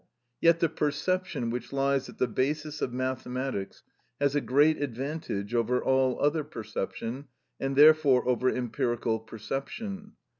Yet the perception which lies at the basis of mathematics has a great advantage over all other perception, and therefore over empirical perception.